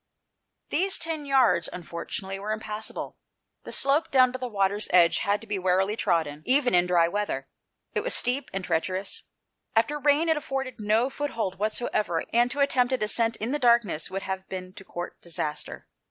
These ten yards, unfortunately, were im passable. The slope down to the water's edge had to be warily trodden even in dry weather. It was steep and treacherous. After rain it afforded no foothold whatever, and to attempt a descent in the darkness would have been to court disaster.